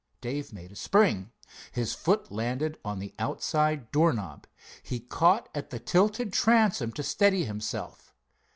Dave made a spring. His foot landed on the outside door knob. He caught at the tilted transom to steady himself.